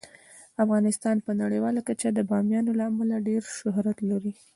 افغانستان په نړیواله کچه د بامیان له امله ډیر شهرت لري.